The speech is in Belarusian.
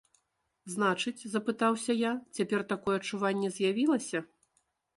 Значыць, запытаўся я, цяпер такое адчуванне з'явілася?